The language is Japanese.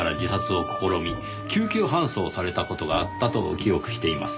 救急搬送された事があったと記憶しています。